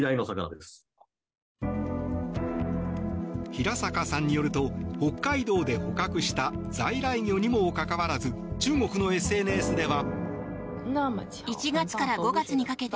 平坂さんによると北海道で捕獲した在来魚にもかかわらず中国のＳＮＳでは。